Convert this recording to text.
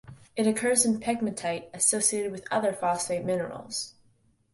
It occurs in pegmatite associated with other phosphate minerals.